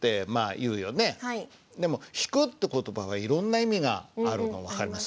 でも「引く」って言葉はいろんな意味があるの分かります？